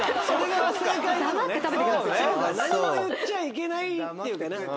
何も言っちゃいけないっていう。